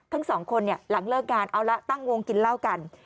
ทั้งสองคนเนี่ยหลังเลิกงานเอาละตั้งวงกินเหล้ากัน